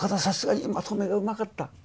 さすがにまとめがうまかった。